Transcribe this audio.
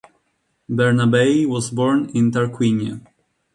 Bernabei was born in Tarquinia.